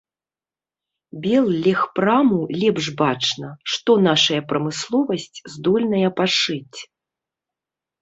Беллегпраму лепш бачна, што нашая прамысловасць здольная пашыць.